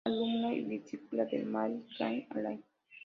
Fue alumna y discípula de Marie-Claire Alain.